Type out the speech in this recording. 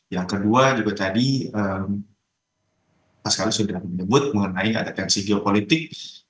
yang kedua juga tadi pak skaris sudah menyebut mengenai adekansi geopolitik